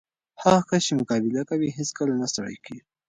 هغه کس چې مقابله کوي، هیڅکله نه ستړی کېږي.